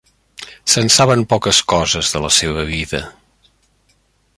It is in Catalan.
Se'n saben poques coses de la seva vida.